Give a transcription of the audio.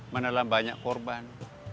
mana banyak korban